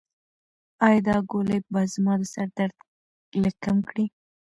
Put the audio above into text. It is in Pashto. ایا دا ګولۍ به زما د سر درد لږ کم کړي؟